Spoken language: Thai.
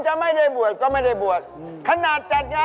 จำใครไม่ได้เลยอะ